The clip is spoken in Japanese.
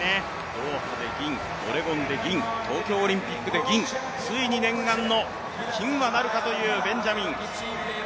ドーハで銀、オレゴンで銀、東京オリンピックで銀ついに念願の金はなるかというベンジャミン。